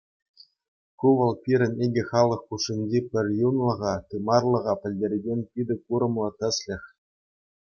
Ку вӑл пирӗн икӗ халӑх хушшинчи пӗрюнлӑха, тымарлӑха пӗлтерекен питӗ курӑмлӑ тӗслӗх.